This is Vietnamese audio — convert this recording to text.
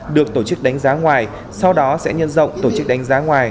được tổ chức đánh giá ngoài sau đó sẽ nhân rộng tổ chức đánh giá ngoài